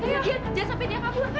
ayo cepet jangan sampai dia kabur